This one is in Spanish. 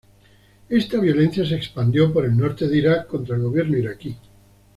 Esta violencia se expandió por el norte de Irak contra el gobierno iraquí.